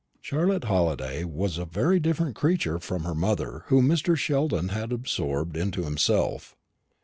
Charlotte Halliday was a very different creature from the mother whom Mr. Sheldon had absorbed into himself.